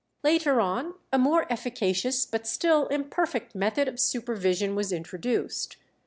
Later on a more efficacious but still imperfect method of supervision was introduced.